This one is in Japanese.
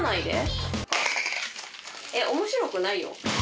えっ面白くないよ。